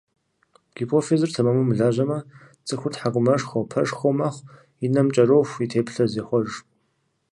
Гипофизыр тэмэму мылажьэмэ, цӀыхур тхьэкӀумэшхуэ, пэшхуэ, мэхъу, и нэм кӀэроху, и теплъэм зехъуэж.